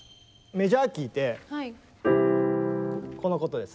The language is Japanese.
メジャー・キーってこのことです。